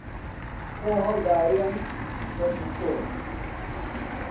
خۆ هەڵداوێن شەک و کوور